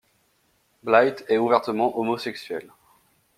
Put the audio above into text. Blyth est ouvertement homosexuel.